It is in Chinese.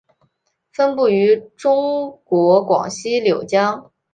分布于中国广西柳江。